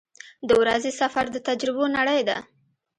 • د ورځې سفر د تجربو نړۍ ده.